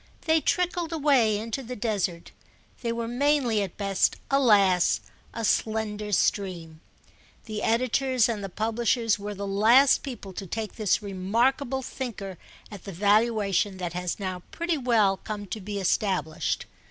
They trickled away into the desert—they were mainly at best, alas, a slender stream. The editors and the publishers were the last people to take this remarkable thinker at the valuation that has now pretty well come to be established.